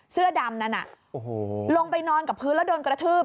เสื้อดำนั้นลงไปนอนกับพื้นแล้วโดนกระทืบ